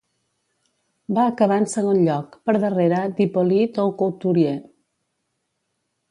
Va acabar en segon lloc, per darrere d'Hippolyte Aucouturier.